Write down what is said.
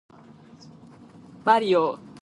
Barrio.